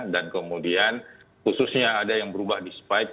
dan kemudian khususnya ada yang berubah di spike